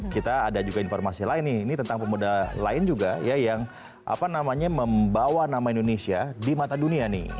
kita ada juga informasi lain nih ini tentang pemuda lain juga ya yang membawa nama indonesia di mata dunia nih